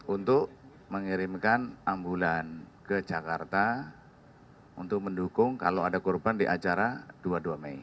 untuk mengirimkan ambulan ke jakarta untuk mendukung kalau ada korban di acara dua puluh dua mei